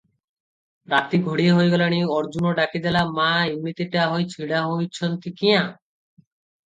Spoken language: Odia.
ରାତି ଘଡ଼ିଏ ହୋଇଗଲାଣି, ଅର୍ଜୁନା ଡାକିଦେଲା, "ମା ଇମିତିଟା ହୋଇ ଛିଡ଼ା ହୋଇଛନ୍ତି କ୍ୟାଁ?